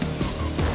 terima kasih wak